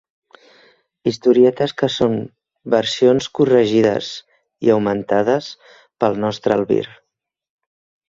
Historietes que són versions corregides i augmentades pel nostre albir.